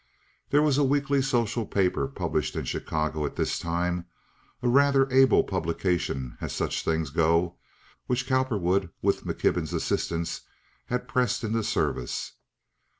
There was a weekly social paper published in Chicago at this time, a rather able publication as such things go, which Cowperwood, with McKibben's assistance, had pressed into service.